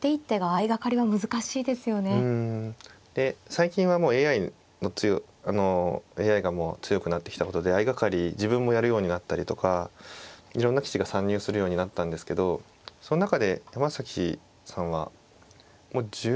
最近はＡＩがもう強くなってきたことで相掛かり自分もやるようになったりとかいろんな棋士が参入するようになったんですけどその中で山崎さんはもう１０年以上前もっと前ですね。